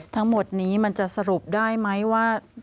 ทั้งหมดนี้มันจะสรุปได้ไหมว่า